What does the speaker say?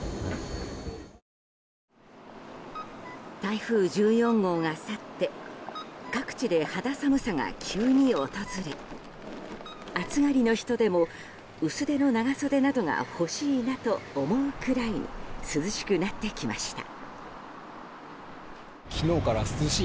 台風１４号が去って各地で肌寒さが急に訪れ暑がりの人でも薄手の長袖などが欲しいなと思うくらいに涼しくなってきました。